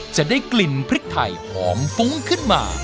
จะได้กลิ่นพริกไทยหอมฟุ้งขึ้นมา